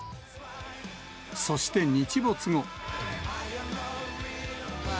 そして日没後。